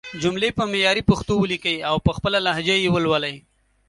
جملې په معياري پښتو وليکئ او په خپله لهجه يې ولولئ!